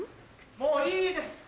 もういいですって！